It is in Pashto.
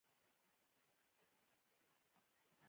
د مزار د دښتو تماشو ته به ځانونه رسوو.